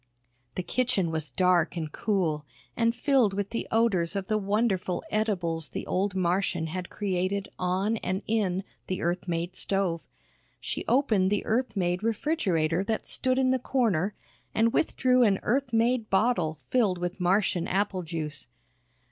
The kitchen was dark and cool, and filled with the odors of the wonderful edibles the old Martian had created on and in the Earth made stove. She opened the Earth made refrigerator that stood in the corner and withdrew an Earth made bottle filled with Martian apple juice.